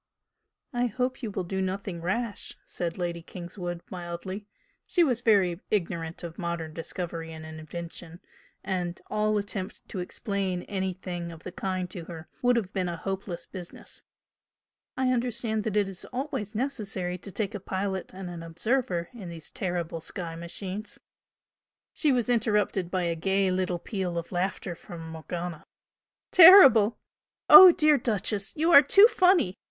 "I hope you will do nothing rash!" said Lady Kingswood, mildly; she was very ignorant of modern discovery and invention, and all attempt to explain anything of the kind to her would have been a hope less business "I understand that it is always necessary to take a pilot and an observer in these terrible sky machines " She was interrupted by a gay little peal of laughter from Morgana. "Terrible? Oh, dear 'Duchess,' you are too funny!